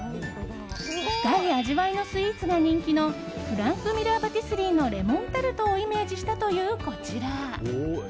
深い味わいのスイーツが人気のフランクミュラーパティスリーのレモンタルトをイメージしたというこちら。